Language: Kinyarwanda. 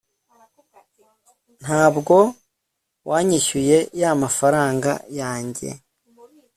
ntabwo wanyishyuye yamafara yange